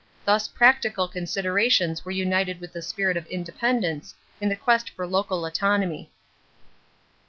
Thus practical considerations were united with the spirit of independence in the quest for local autonomy.